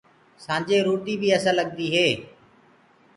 سآنجي روٽي بي اسل لگدي هي۔